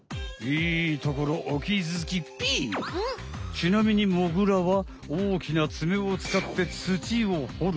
ちなみにモグラはおおきなツメをつかって土をほる。